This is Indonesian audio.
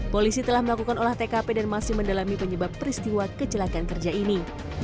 polisi telah melakukan olah tkp dan masih mendalami penyebab peristiwa kecelakaan kerja ini